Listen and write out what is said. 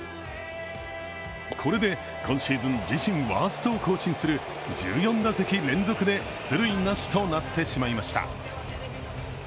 これで今シーズン自身ワーストを更新する１４打席連続で出塁なしとなってしまいました。